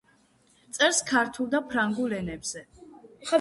წერს ქართულ და ფრანგულ ენებზე.